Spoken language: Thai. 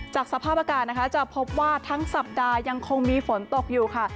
สภาพอากาศนะคะจะพบว่าทั้งสัปดาห์ยังคงมีฝนตกอยู่ค่ะ